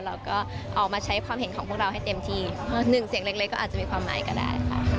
เราก็ออกมาใช้ความเห็นของพวกเราให้เต็มที่หนึ่งเสียงเล็กก็อาจจะมีความหมายก็ได้ค่ะ